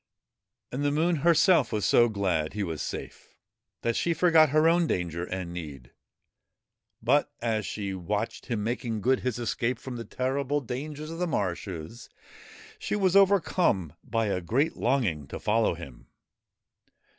And the Moon herself was so glad he was safe, that she forgot her own danger and need. But, as she watched him making good his escape from the terrible dangers of the marshes, she was overcome by a great longing to follow him.